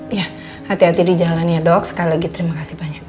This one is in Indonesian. ya hati hati di jalan ya dok sekali lagi terima kasih banyak